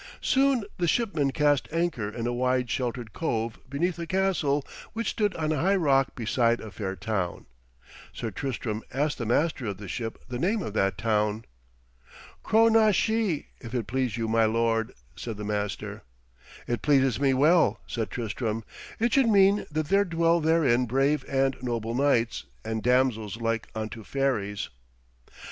Soon the shipmen cast anchor in a wide sheltered cove beneath a castle which stood on a high rock beside a fair town. Sir Tristram asked the master of the ship the name of that town. 'Cro na Shee, if it please you, my lord,' said the master. 'It pleases me well,' said Tristram; 'it should mean that there dwell therein brave and noble knights, and damsels like unto fairies.'